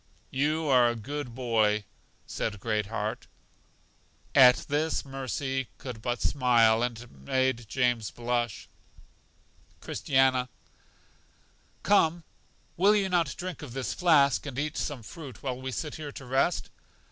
You are a good boy, said Great heart. At this Mercy could but smile, and it made James blush. Christiana: Come, will you not drink of this flask, and eat some fruit, while we sit here to rest?